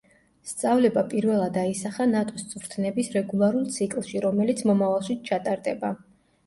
სწავლება პირველად აისახა ნატოს წვრთნების რეგულარულ ციკლში, რომელიც მომავალშიც ჩატარდება.